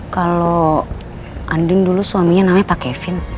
kalau andin dulu suaminya namanya pak kevin